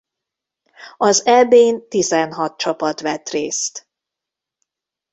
Az Eb-n tizenhat csapat vett részt.